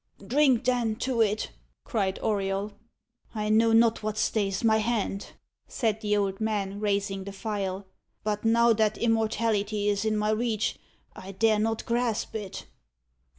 "Drink, then, to it!" cried Auriol. "I know not what stays my hand," said the old man, raising the phial; "but now that immortality is in my reach, I dare not grasp it."